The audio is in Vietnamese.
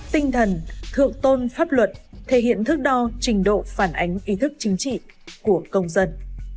tinh thần thượng tôn pháp luật thể hiện thức đo trình độ phản ánh ý thức chính trị của công dân